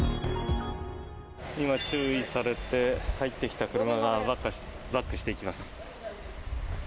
今、注意されて入ってきた車がバックしていきます。